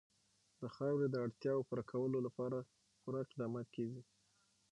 د خاورې د اړتیاوو پوره کولو لپاره پوره اقدامات کېږي.